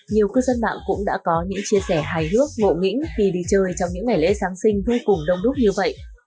nhiều cư dân mạng cũng đã có những chia sẻ hài hước ngộ nghĩnh khi đi chơi trong những ngày lễ giáng sinh vô cùng đông đúc như vậy